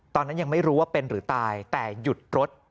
ตอนนั้นยังไม่รู้ว่าเป็นหรือตายแต่หยุดรถ